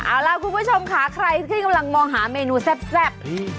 เอาล่ะคุณผู้ชมค่ะใครที่กำลังมองหาเมนูแซ่บ